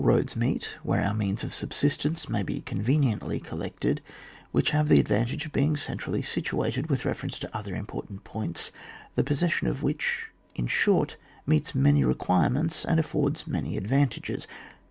155 roads meet, where our means of subsist ence may be conveniently collected, which have the advantage of being centrally sit uated with reference to other important points, the possession of which in short meets many requirements and affords many advantages.